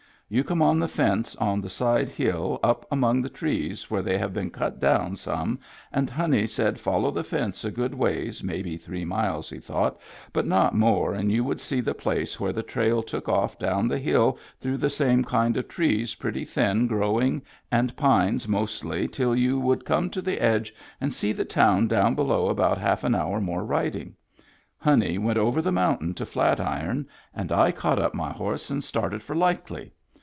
You come on the fence on the side hill up among the trees where they have been cut down some and Honey said follow the fence a good ways maybe three miles he thought but not more and you would see the place where the trail took off down the hill through the same kind of trees pretty thin growing and pines mostly till you would come to the edge and see the town down below about half an hour more riding. Honey went over the mountain to Flat Iron and I caught Digitized by Google 78 MEMBERS OF THE FAMILY up my horse and started for Likely.